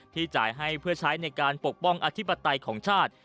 จ่ายให้เพื่อใช้ในการปกป้องอธิปไตยของชาติ